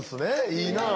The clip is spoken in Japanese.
いいなあ。